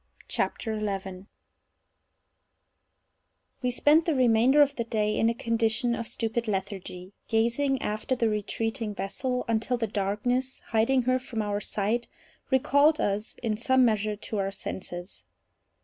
CHAPTER 11 We spent the remainder of the day in a condition of stupid lethargy, gazing after the retreating vessel until the darkness, hiding her from our sight, recalled us in some measure to our senses.